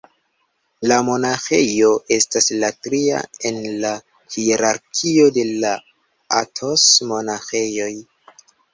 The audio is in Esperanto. La monaĥejo estas la tria en la hierarkio de la Athos-monaĥejoj.